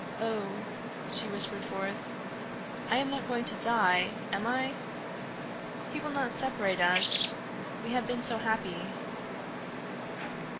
"Oh!" she whispered forth, "I am not going to die, am I? He will not separate us, we have been so happy."